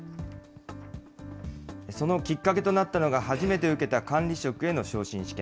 そのきっかけとなったのが初めて受けた管理職への昇進試験。